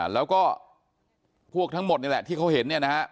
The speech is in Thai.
แล้วก็พวกทั้งหมดนี่แหละที่เขาเห็นเนี่ยนะฮะ